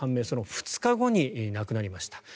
その２日後に亡くなりました。